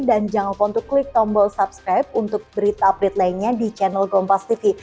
dan jangan lupa untuk klik tombol subscribe untuk berita berita lainnya di channel kompas tv